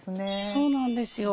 そうなんですよ。